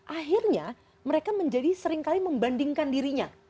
akhirnya mereka menjadi seringkali membandingkan dirinya